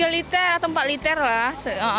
tiga liter atau empat liter lah